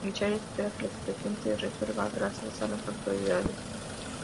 Michael espera que la situación se resuelva gracias a las autoridades.